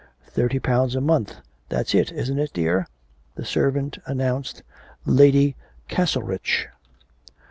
Thirty pounds a month, that's it, isn't it, dear?' The servant announced Lady Castlerich.